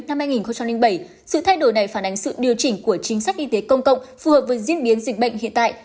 năm hai nghìn bảy sự thay đổi này phản ánh sự điều chỉnh của chính sách y tế công cộng phù hợp với diễn biến dịch bệnh hiện tại